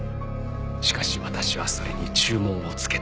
しかし私はそれに注文をつけた。